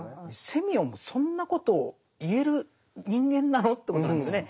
セミヨンもそんなことを言える人間なの？ってことなんですよね。